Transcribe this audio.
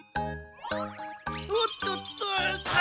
おっとっとあた！